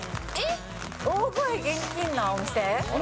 大声厳禁なお店？